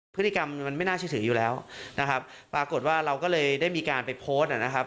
พฤติกรรมมันไม่น่าเชื่อถืออยู่แล้วนะครับปรากฏว่าเราก็เลยได้มีการไปโพสต์นะครับ